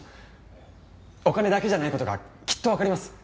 お金だけじゃない事がきっとわかります。